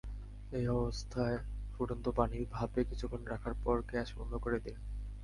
এই অবস্থায় ফুটন্ত পানির ভাঁপে কিছুক্ষণ রাখার পর গ্যাস বন্ধ করে দিন।